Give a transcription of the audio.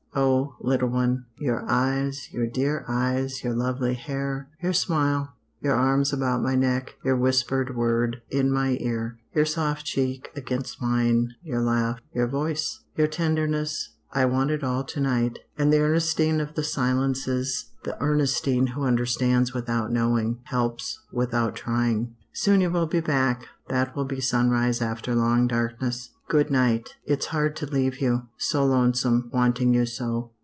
"Oh, little one your eyes your dear eyes your lovely hair your smile your arms about my neck your whispered word in my ear your soft cheek against mine your laugh your voice your tenderness I want it all to night and the Ernestine of the silences the Ernestine who understands without knowing helps without trying. "Soon you will be back. That will be sunrise after long darkness. "Good night. It's hard to leave you so lonesome wanting you so.